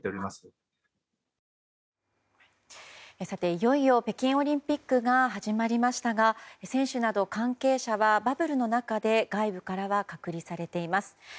さて、いよいよ北京オリンピックが始まりましたが選手など関係者はバブルの中で外部からは隔離されています。